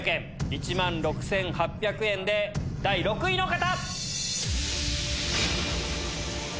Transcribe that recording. １万６８００円で第６位の方！